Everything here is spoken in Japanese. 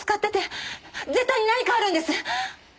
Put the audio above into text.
絶対に何かあるんです！